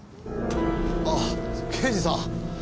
ああ刑事さん。